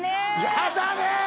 やだね！